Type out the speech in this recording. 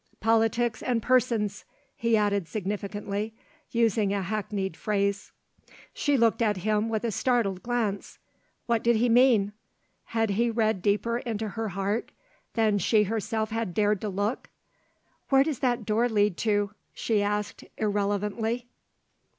"Politics and persons," he added significantly, using a hackneyed phrase. She looked at him with a startled glance. What did he mean? Had he read deeper into her heart than she herself had dared to look? "Where does that door lead to?" she asked irrelevantly.